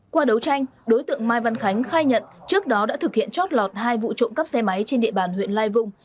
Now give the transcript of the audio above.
qua đấu tranh đối tượng mai văn khánh khai nhận trước đó đã thực hiện chót lọt hai vụ trộm cắp xe máy trên địa bàn huyện lai vung